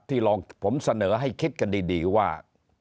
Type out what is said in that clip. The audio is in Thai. ลองผมเสนอให้คิดกันดีว่า